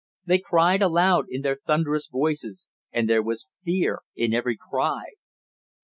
They cried aloud in their thunderous voices, and there was fear in every cry.